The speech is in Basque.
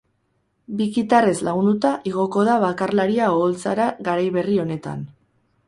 Bi kitarrez lagunduta igoko da bakarlaria oholtzara garai berri honetan.